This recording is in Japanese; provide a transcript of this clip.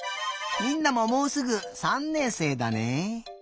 みんなももうすぐ３年生だね。